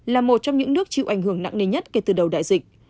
là một trong những nước chịu ảnh hưởng nặng nề nhất kể từ đầu đại dịch